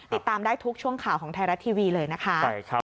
ติดตามได้ทุกช่วงข่าวของไทยรัฐทีวีเลยนะคะ